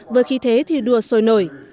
với khi thế thì đua sôi nổi